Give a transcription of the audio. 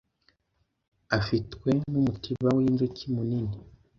afitw Numutiba winzuki munini